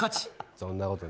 そんなことない。